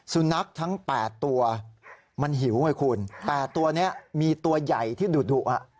สุนัขทั้ง๘ตัวมันหิวไงคุณแต่ตัวนี้มีตัวใหญ่ที่ดุดุอ่ะ